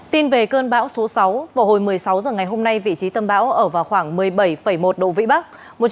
tin về cơn bão số sáu vào hồi một mươi sáu h ngày hôm nay vị trí tâm bão ở vào khoảng một mươi bảy một độ vĩ bắc